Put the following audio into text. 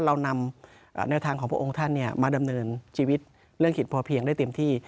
เรานำแนวทางของพระองค์ท่านมาดำเนินชีวิตเรื่องกิจพอเพียงได้เต็มที่